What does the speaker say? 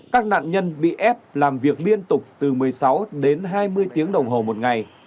các nạn nhân bị ép làm việc liên tục từ một mươi sáu đến hai mươi tiếng đồng hồ một ngày